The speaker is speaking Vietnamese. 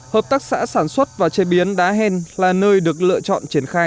hợp tác xã sản xuất và chế biến đá hèn là nơi được lựa chọn triển khai